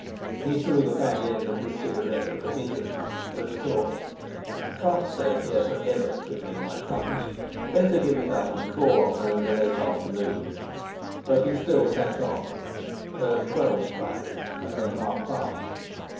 He threw the fag end of his cigarette at a pigeon, with the thought: "I can't stay here for ever twiddling my thumbs. Better give it up and call on her in the late afternoon." But he still sat on, heard twelve strike, and then half past.